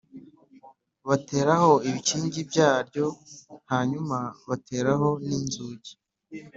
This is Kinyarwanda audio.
bateraho ibikingi byaryo hanyuma bateraho n inzugi